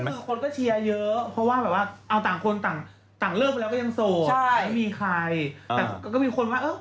มีคนรู้ว่าเขาก็ยังคุ้มไปทำดีทำบุญ